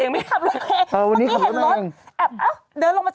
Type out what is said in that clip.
น้ำยาไม่เอาคุณแม่คุณแม่